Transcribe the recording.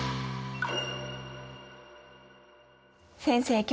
先生